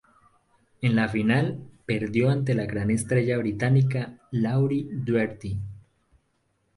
En la final perdió ante la gran estrella británica, Laurie Doherty.